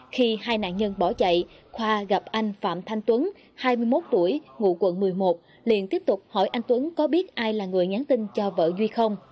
khi hai nạn nhân bỏ chạy khoa gặp anh phạm thanh tuấn hai mươi một tuổi ngụ quận một mươi một liền tiếp tục hỏi anh tuấn có biết ai là người nhắn tin cho vợ duy không